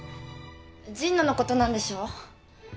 神野のことなんでしょう？